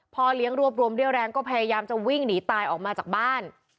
เลี้ยงรวบรวมเรี่ยวแรงก็พยายามจะวิ่งหนีตายออกมาจากบ้าน